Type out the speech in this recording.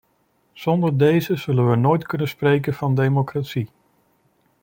Zonder deze zullen we nooit kunnen spreken van democratie.